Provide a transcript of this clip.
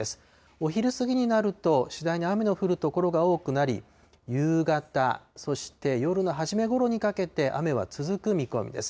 お昼過ぎになると、次第に雨の降る所が多くなり、夕方、そして夜の初めごろにかけて、雨は続く見込みです。